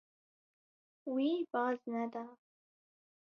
Wî baz neda.